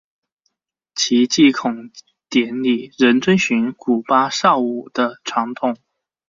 其祭孔典礼仍遵循古八佾舞的传统。